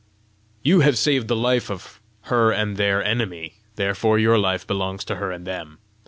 "You have saved the life of her and their enemy; therefore your life belongs to her and them.